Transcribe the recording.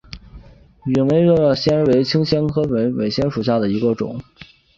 疣柄美喙藓为青藓科美喙藓属下的一个种。